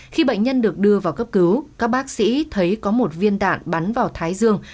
khi bệnh nhân được đưa vào cấp cứu các bác sĩ thấy có một viên đạn bắn vào thái dương